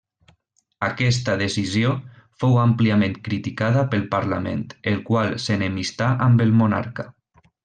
Aquesta decisió fou àmpliament criticada pel Parlament el qual s'enemistà amb el monarca.